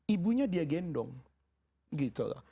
ibunya dia gendong gitu loh